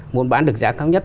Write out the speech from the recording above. muốn bán được giá cao nhất